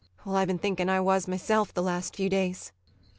] Well, I been thinking I was myself the last few days.